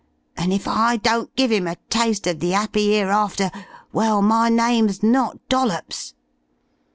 And if I don't give 'im a taste of the 'appy 'ereafter, well, my name's not Dollops."